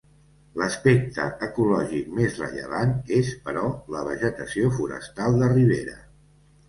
L'aspecte ecològic més rellevant és, però, la vegetació forestal de ribera.